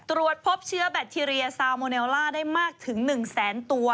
ตรวจพบเชื้อแบคทีเรียซาวโมเนลล่าได้มากถึง๑แสนตัว